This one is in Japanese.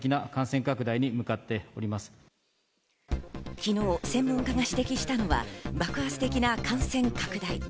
昨日、専門家が指摘したのは爆発的な感染拡大。